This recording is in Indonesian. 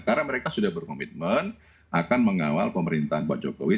karena mereka sudah berkomitmen akan mengawal pemerintahan pak jokowi